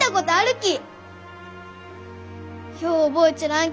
よう覚えちょらん